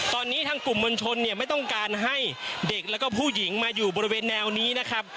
ตอนนี้ทางกลุ่มมวลชนเนี่ยไม่ต้องการให้เด็กแล้วก็ผู้หญิงมาอยู่บริเวณแนวนี้นะครับ